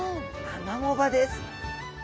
アマモ場です。